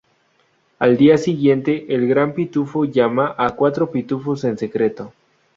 Al día siguiente, el Gran Pitufo llama a cuatro pitufos en secreto.